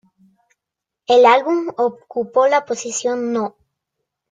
El álbum ocupó la posición No.